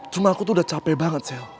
cuma aku tuh udah capek banget sel